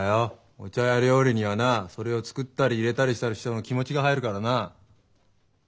お茶や料理にはなそれを作ったりいれたりした人の気持ちが入るからな。